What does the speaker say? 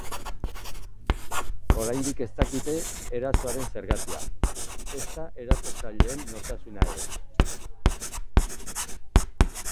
Oraindik ez dakite erasoaren zergatia, ezta erasotzaileen nortasuna ere.